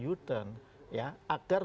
u turn ya agar